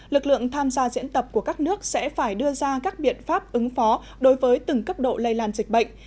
lực lượng tham gia diễn tập của các nước sẽ phải đưa ra các biện pháp ứng phó đối với từng cấp độ lây lan dịch bệnh